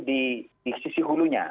di sisi hulunya